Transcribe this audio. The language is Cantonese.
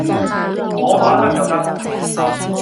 我話得就得